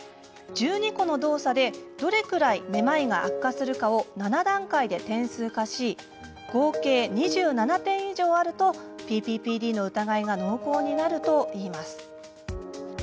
１２個の動作でどれくらいめまいが悪化するかを７段階で点数化し合計２７点以上あるとＰＰＰＤの疑いが濃厚になるといいます。